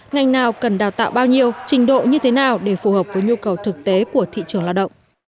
ngành nào cần đào tạo bao nhiêu trình độ như thế nào để phù hợp với nhu cầu thực tế của thị trường lao động